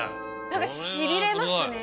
何かしびれますね。